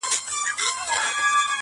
که تریخ دی زما دی~